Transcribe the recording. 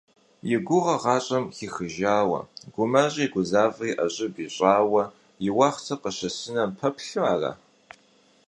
И гугъэр гъащӏэм хихыжауэ, гумэщӏри гузавэри ӏэщӏыб ищӏауэ и уэхътыр къыщысыным пэплъэу ара?